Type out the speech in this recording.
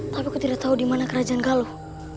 tapi aku tidak tahu dimana kerajaan galuk